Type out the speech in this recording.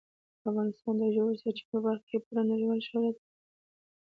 افغانستان د ژورو سرچینو په برخه کې پوره نړیوال شهرت لري.